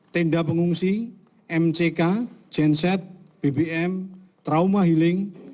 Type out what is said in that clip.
tenda pengungsi mck genset bbm trauma healing